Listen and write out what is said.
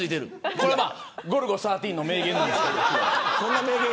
これはゴルゴ１３の名言なんですけど。